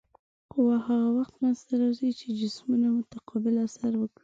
قوه هغه وخت منځته راځي چې دوه جسمونه متقابل اثر وکړي.